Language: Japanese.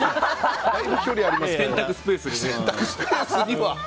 だいぶ距離ありますけど。